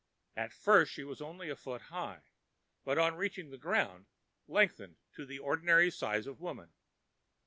At first she was only a foot high, but on reaching the ground lengthened to the ordinary size of women.